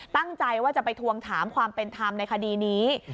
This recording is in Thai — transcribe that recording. ตั้งใจว่าจะไปทวงถามความเป็นธรรมในคดีนี้